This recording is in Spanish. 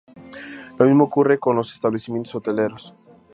Lo mismo ocurre con los establecimientos hoteleros.